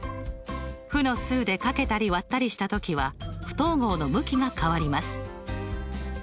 負の数で掛けたり割ったりした時は不等号の向きが変わります。